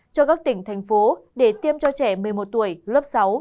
cho các tỉnh thành phố để tiêm cho trẻ một mươi một tuổi lớp sáu